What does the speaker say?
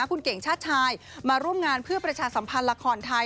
คุณเก่งชาติชายมาร่วมงานเพื่อประชาสัมพันธ์ละครไทย